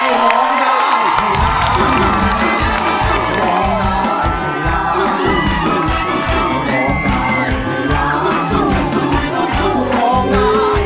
เพื่อนหน้าต้องร้องร้องไล่แหละ